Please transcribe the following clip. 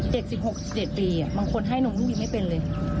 เด็ก๑๖๑๗ปีบางคนให้หนุ่มลูกยังไม่เป็นเลย